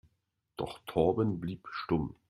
Doch Torben blieb stumm.